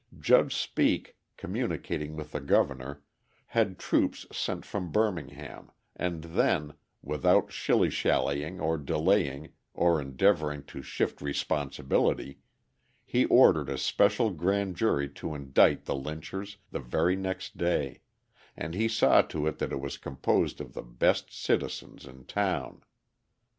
Judge Speake, communicating with the Governor, had troops sent from Birmingham, and then, without shilly shallying or delaying or endeavouring to shift responsibility, he ordered a special grand jury to indict the lynchers the very next day and he saw to it that it was composed of the best citizens in town.